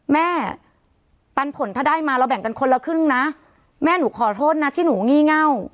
ปันผลถ้าได้มาเราแบ่งกันคนละครึ่งนะแม่หนูขอโทษนะที่หนูงี่เง่า